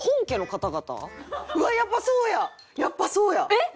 えっ！